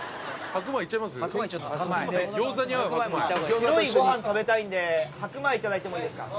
白いご飯食べたいんで白米いただいてもいいですか？